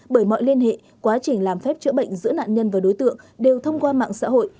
bởi mọi liên hệ quá trình làm phép chữa bệnh giữa nạn nhân và đối tượng đều thông qua mạng xã hội